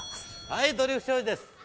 ☎はいドリフ商事です。